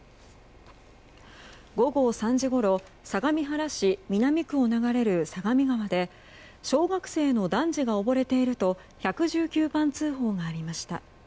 午後３時ごろ相模原市南区を流れる相模川で小学生の男児が溺れていると１１９番通報がありました。